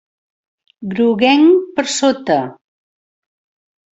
Groguenc per sota.